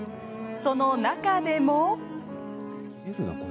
その中でも。